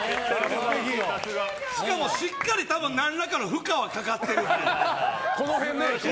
しかもしっかり何らかの負荷はかかってる。